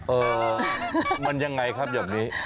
เออมันยังไงครับอย่างนี้